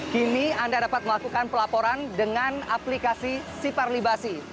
kini anda dapat melakukan pelaporan dengan aplikasi sipar libasi